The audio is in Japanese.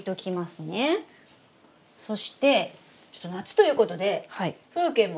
そしてちょっと夏ということで風景も。